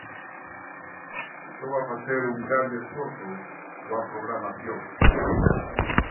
Estou a facer un grande esforzo coa programación.